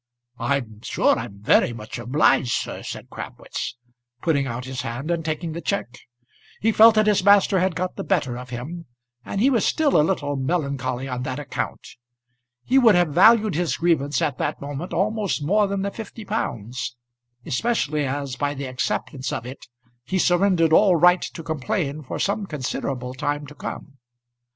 "I'm sure I'm very much obliged, sir," said Crabwitz, putting out his hand and taking the cheque. He felt that his master had got the better of him, and he was still a little melancholy on that account. He would have valued his grievance at that moment almost more than the fifty pounds, especially as by the acceptance of it he surrendered all right to complain for some considerable time to come.